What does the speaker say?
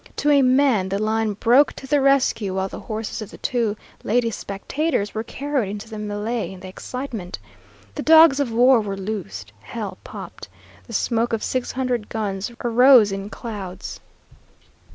To a man, the line broke to the rescue, while the horses of the two lady spectators were carried into the mêlée in the excitement. The dogs of war were loosed. Hell popped. The smoke of six hundred guns arose in clouds.